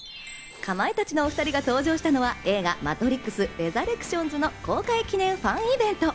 かまいたちのお２人が登場したのは映画『マトリックスレザレクションズ』の公開記念ファンイベント。